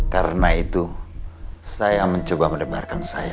karena itu saya mencoba mendebarkan saya